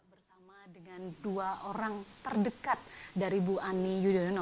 bersama dengan dua orang terdekat dari bu ani yudhoyono